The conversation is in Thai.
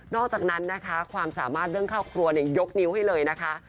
นอกจากนั้นนะคะความสามารถเริ่มเข้าครัวเนี่ยยกนิ้วให้เลยนะคะ